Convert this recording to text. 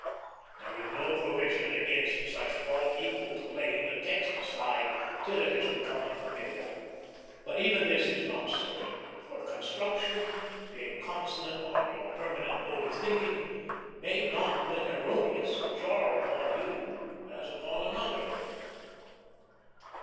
There is no provision against such fault equal to laying the text aside till it has become unfamiliar; but even this is not certain, for construction, being consonant to your permanent mode of thinking, may not when erroneous jar upon you as upon another.